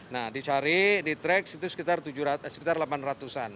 nah dicari di track itu sekitar delapan ratus an